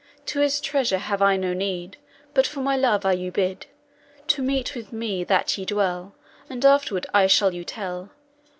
To his treasure have I no need! But for my love I you bid, To meat with me that ye dwell; And afterward I shall you tell.